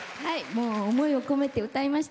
もう思いを込めて歌いました。